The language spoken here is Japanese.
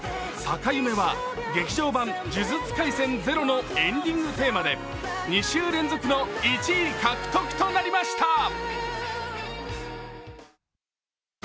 「逆夢」は「劇場版呪術廻戦０」のエンディングテーマで２週連続の１位獲得となりました。